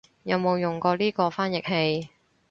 有冇用過呢個翻譯器